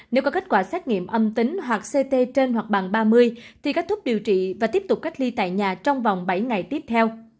nếu có kết quả xét nghiệm âm tính hoặc ct trên hoặc bằng ba mươi thì kết thúc điều trị và tiếp tục cách ly tại nhà trong vòng bảy ngày tiếp theo